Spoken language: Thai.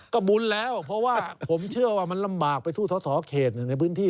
ก็บุญแล้วเพราะว่าผมเชื่อว่ามันลำบากไปสู้สอสอเขตในพื้นที่